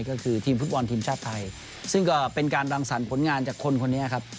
ก็คือทีมฟุตบอลทีมชาติไทยซึ่งก็เป็นการรังสรรค์ผลงานจากคนคนนี้ครับ